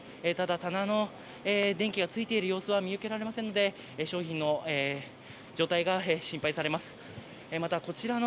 ただ、棚の電気がついている様子は見受けられませんので商品の状態が心配されます。